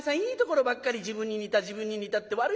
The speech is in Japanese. いいところばっかり自分に似た自分に似たって。